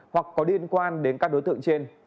hoặc có liên quan đến các đối tượng trên